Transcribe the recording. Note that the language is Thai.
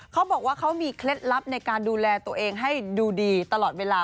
เขาบอกว่าเขามีเคล็ดลับในการดูแลตัวเองให้ดูดีตลอดเวลา